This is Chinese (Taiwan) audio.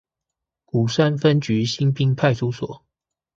鼓山分局新濱派出所